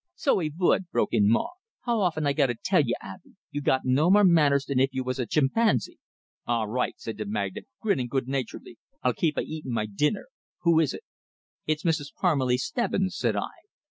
"So he vould!" broke in Maw. "How often I gotta tell you, Abey? You got no more manners dan if you vas a jimpanzy." "All right," said the magnate, grinning good naturedly. "I'll keep a eatin' my dinner. Who is it?" "It's Mrs. Parmelee Stebbins," said I.